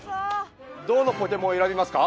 どのポケモンを選びますか？